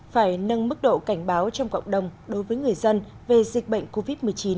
phải nâng mức độ cảnh báo trong cộng đồng đối với người dân về dịch bệnh covid một mươi chín